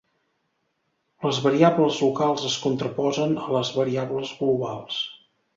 Les variables locals es contraposen a les variables globals.